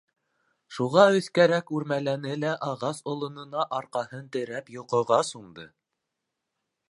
Шуға өҫкәрәк үрмәләне лә, ағас олонона арҡаһын терәп, йоҡоға сумды.